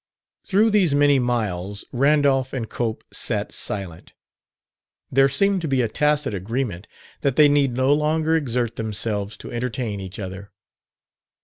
Through these many miles Randolph and Cope sat silent: there seemed to be a tacit agreement that they need no longer exert themselves to entertain each other.